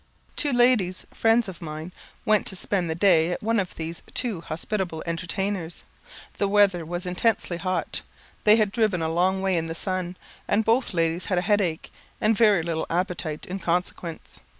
Two ladies, friends of mine, went to spend the day at one of these too hospitable entertainers. The weather was intensely hot. They had driven a long way in the sun, and both ladies had a headache, and very little appetite in consequence.